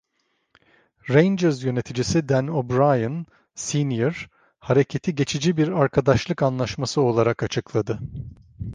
Rangers yöneticisi Dan O'Brien Senior hareketi geçici bir “arkadaşlık anlaşması” olarak açıkladı.